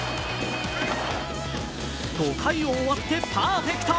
５回を終わってパーフェクト。